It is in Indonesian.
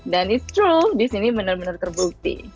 dan it's true di sini benar benar terbukti